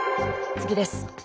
次です。